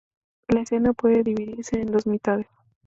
La escena puede dividirse en dos mitades.